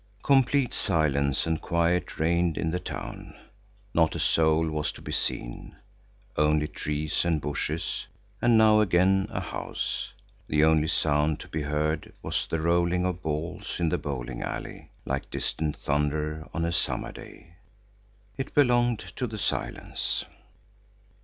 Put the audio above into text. Complete silence and quiet reigned in the town. Not a soul was to be seen; only trees and bushes, and now and again a house. The only sound to be heard was the rolling of balls in the bowling alley, like distant thunder on a summer day. It belonged to the silence.